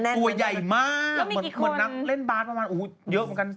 ตัวใหญ่มากเหมือนนักเล่นบาสประมาณโอ้โหเยอะเหมือนกัน